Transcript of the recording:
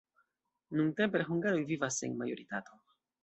Nuntempe la hungaroj vivas en majoritato.